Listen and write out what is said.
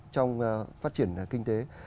trong phát triển kinh tế